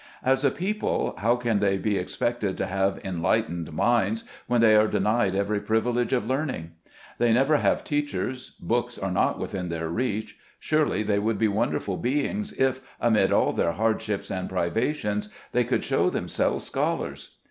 As a people, how can they be expected to have enlightened minds, when they are denied every privilege of learning ? They never have teachers, books are not within their reach — surely, they would be wonderful beings, if, amid all their hardships and privations, they should show them selves scholars